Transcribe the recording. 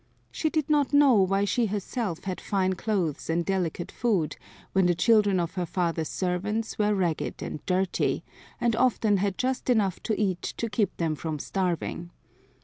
She did not know why she herself had fine clothes and delicate food, when the children of her father's servants were ragged and dirty, and often had just enough to eat to keep them from starving.